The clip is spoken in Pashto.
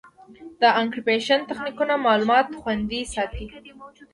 د انکریپشن تخنیکونه معلومات خوندي ساتي.